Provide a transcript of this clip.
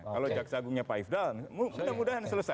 kalau jaksa agungnya pak ifdal mudah mudahan selesai